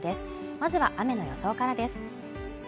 まずは雨の予想からです